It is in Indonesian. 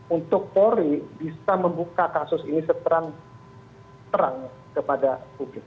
untuk polri bisa membuka kasus ini seterang terang kepada publik